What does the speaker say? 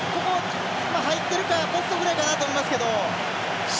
入ってるかポストぐらいかなと思いますけど。